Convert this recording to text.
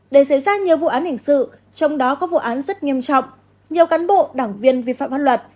để xảy ra nhiều vụ án hình sự trong đó có vụ án rất nghiêm trọng nhiều cán bộ đảng viên vi phạm pháp luật